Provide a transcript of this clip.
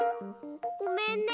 ごめんね。